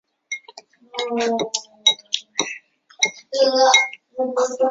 后屡试不第。